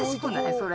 それ。